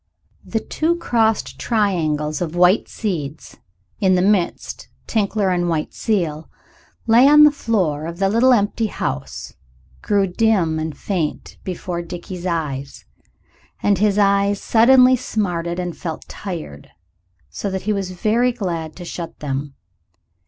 THE two crossed triangles of white seeds, in the midst Tinkler and the white seal, lay on the floor of the little empty house, grew dim and faint before Dickie's eyes, and his eyes suddenly smarted and felt tired so that he was very glad to shut them.